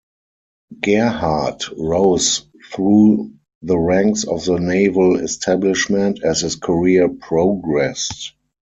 Gerhardt rose through the ranks of the naval establishment as his career progressed.